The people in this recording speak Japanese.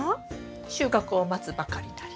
収穫を待つばかりなり。